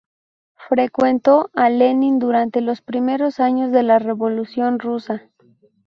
Frecuentó a Lenin durante los primeros años de la Revolución rusa.